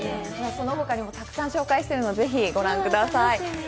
その他にもたくさん紹介しているのでぜひご覧ください。